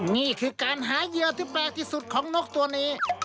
นี่คือการหาเหยื่อที่แปลกที่สุดของนกตัวนี้